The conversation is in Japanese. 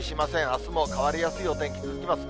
あすも変わりやすいお天気続きます。